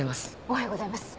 おはようございます。